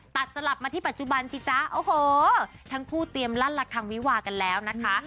สลับมาที่ปัจจุบันสิจ๊ะโอ้โหทั้งคู่เตรียมลั่นละคังวิวากันแล้วนะคะ